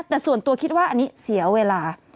แต่ส่วนตัวคิดว่าอันนี้เสียเวลา